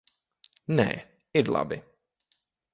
Nē, ir labi.